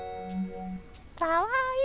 かわいい！